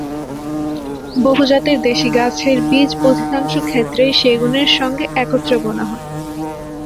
বহুজাতের দেশি গাছের বীজ, অধিকাংশ ক্ষেত্রেই সেগুনের সঙ্গে একত্রে বোনা হয়।